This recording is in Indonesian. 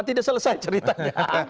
tidak selesai ceritanya